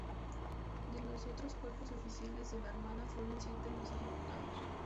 De los otros cuerpos de oficiales de la Armada, fueron siete los ejecutados.